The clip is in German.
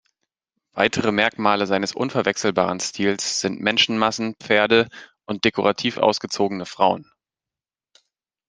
Weitere Merkmale seines unverwechselbaren Stils sind Menschenmassen, Pferde und dekorativ ausgezogene Frauen.